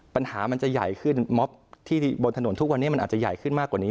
ปัญหามันจะใหญ่ขึ้นม็อบที่บนถนนทุกวันนี้มันอาจจะใหญ่ขึ้นมากกว่านี้